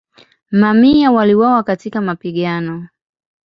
Mamia waliuawa katika mapigano.